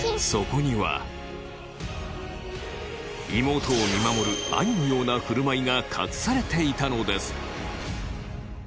そこには妹を見守る兄のような振る舞いが隠されていたのです。